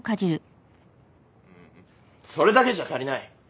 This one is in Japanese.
それだけじゃ足りない。